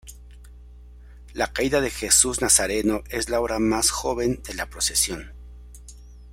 La Caída de Jesús Nazareno es la obra más joven de la Procesión.